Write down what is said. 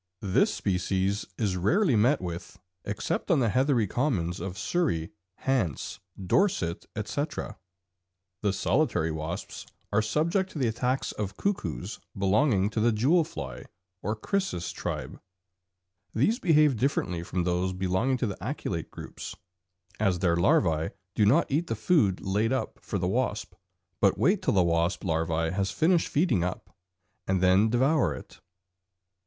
This species is rarely met with except on the heathery commons of Surrey, Hants, Dorset, etc. The solitary wasps are subject to the attacks of cuckoos belonging to the jewel fly or Chrysis tribe; these behave differently from those belonging to the aculeate groups, as their larvæ do not eat the food laid up for the wasp, but wait till the wasp larva has finished feeding up, and then devour it.